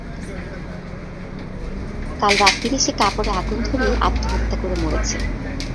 কাল রাত্তিরে সে কাপড়ে আগুন ধরিয়ে আত্মহত্যা করে মরেছে।